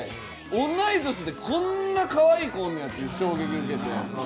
同い年でこんなかわいい子おんのやと衝撃受けて。